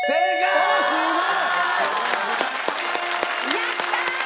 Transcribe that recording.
やったー！